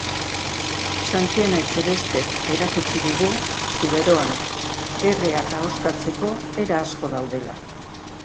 Xantiana Etxebestek erakutsi digu Zuberoan erreak ahoskatzeko era asko daudela.